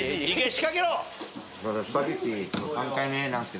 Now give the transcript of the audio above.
仕掛けろ！